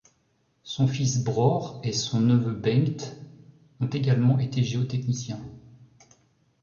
Son fils Bror et son neveu Bengt ont également été géotechniciens.